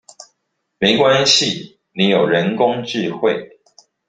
沒關係你有人工智慧